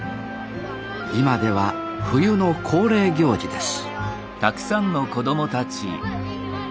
今では冬の恒例行事です